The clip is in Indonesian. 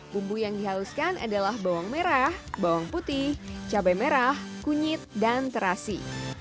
bumbu yang dihaluskan adalah bawang merah bawang putih cabai merah kunyit dan terasi